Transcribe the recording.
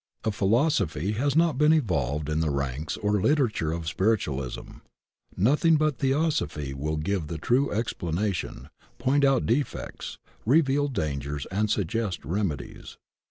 A philosophy has not been evolved in the ranks or PHENOMENA OF SPIRITUAUSM 147 literature of spiritualism; nothing but theosophy will give the true explanation, point out defects, reveal dangers and suggest remedies.